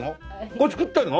これ作ってんの！？